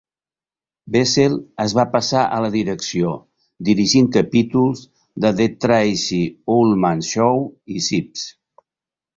Bessel es va passar a la direcció, dirigint capítols de "The Tracey Ullman Show" i "Sibs".